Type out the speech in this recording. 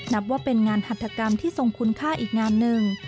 นับว่าเป็นงานหัตถกรรมที่ทรงคุณค่าอีกงานหนึ่ง